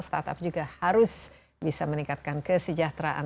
startup juga harus bisa meningkatkan kesejahteraan